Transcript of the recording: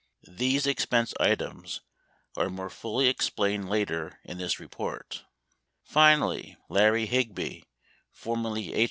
These expense items are more fully explained later in this report. Finally, Larry Higby, formerly H.